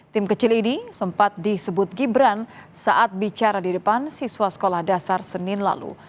tim kecil ini sempat disebut gibran saat bicara di depan siswa sekolah dasar senin lalu